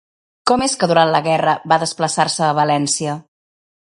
Com és que durant la Guerra va desplaçar-se a València?